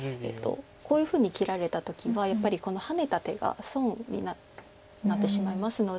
こういうふうに切られた時はやっぱりこのハネた手が損になってしまいますので。